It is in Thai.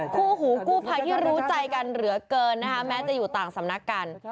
คู่หูกู้ภัยที่รู้ใจกันเหลือเกินนะคะแม้จะอยู่ต่างสำนักกัน